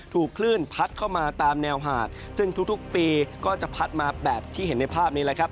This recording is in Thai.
ถูกคลื่นพัดเข้ามาตามแนวหาดซึ่งทุกปีก็จะพัดมาแบบที่เห็นในภาพนี้แหละครับ